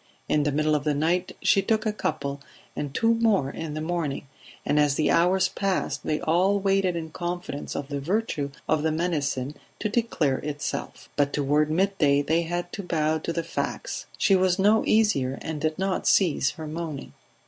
In the middle of the night she took a couple, and two more in the morning, and as the hours passed they all waited in confidence for the virtue of the medicine to declare itself. But toward midday they had to bow to the facts: she was no easier and did not cease her moaning.